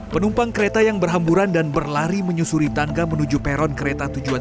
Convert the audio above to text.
penumpang kereta yang berhamburan dan berlari menyusuri tangga menuju peron kereta tujuan